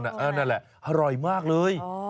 ก้านบอนนั่นแหละอร่อยมากเลย